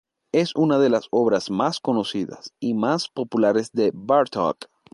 Es una de las obras más conocidas y más populares de Bartók.